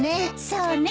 そうね！